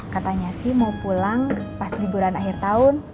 katanya sih mau pulang pas liburan akhir tahun